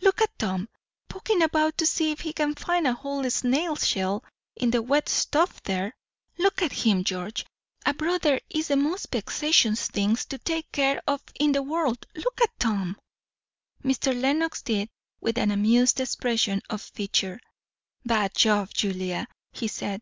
Look at Tom! Poking about to see if he can find a whole snail shell in the wet stuff there. Look at him! George, a brother is the most vexatious thing to take care of in the world. Look at Tom!" Mr. Lenox did, with an amused expression of feature. "Bad job, Julia," he said.